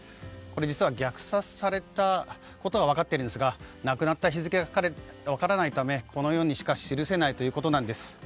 実は、虐殺されたことが分かっているんですが亡くなった日付が分からないためこのようにしか記せないということなんです。